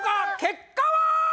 結果はー！